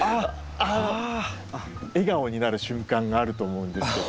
笑顔になる瞬間があると思うんですけど。